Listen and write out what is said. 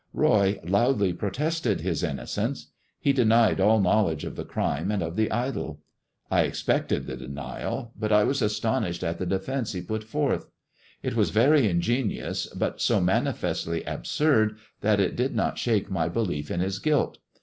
Roy loudly protested his innocence. He denied all knowledge of the crime and of the idol. I expected the denial, but I was astonished at the defence he put forth. It was very ingenious, but so manifestly absurd that it did not shake my belief in his guilt.